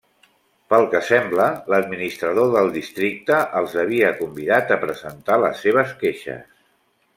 Pel que sembla, l'administrador del districte els havia convidat a presentar les seves queixes.